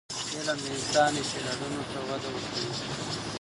علم د انسان استعدادونو ته وده ورکوي.